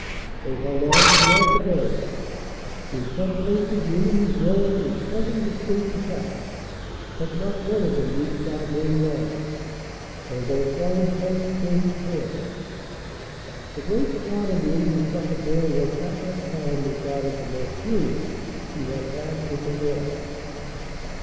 They held on throughout the day. In some 200 CANADA S HUNDRED DAYS places the enemy drove in seven distinct attacks, but not one of them reached our main line, although forward posts changed hands. The great slaughter the enemy suffered there was at that time regarded the most serious he had had in the war.